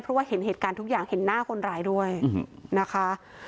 เพราะว่าเห็นเหตุการณ์ทุกอย่างเห็นหน้าคนร้ายด้วยนะคะ